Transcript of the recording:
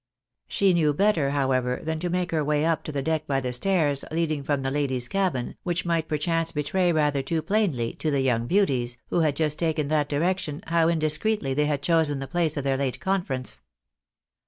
She knew better, however, than to make her way up to the deck by the stairs leading from the ladies' cabin, which might per chance betray rather too plainly to the young beauties, who had just taken that direction, how indiscreetly they had chosen the place of their late conference.